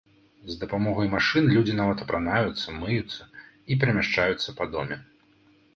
З дапамогай машын людзі нават апранаюцца, мыюцца і перамяшчаюцца па доме.